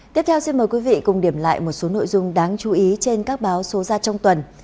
tiếp theo xin mời quý vị cùng điểm lại một số nội dung đáng chú ý trên các báo số ra trong tuần